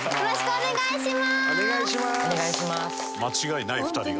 お願いします。